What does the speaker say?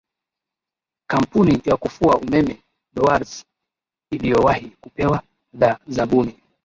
kampuni ya kufua umeme dowarz iliowahi kupewa dha zabuni